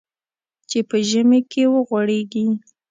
چې په ژمي کې وغوړېږي .